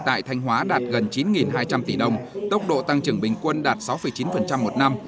tại thanh hóa đạt gần chín hai trăm linh tỷ đồng tốc độ tăng trưởng bình quân đạt sáu chín một năm